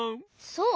そう？